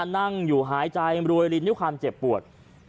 นั่งอยู่หายใจรวยรินด้วยความเจ็บปวด